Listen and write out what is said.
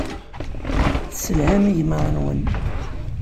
Tesselham igmaḍ-nwen.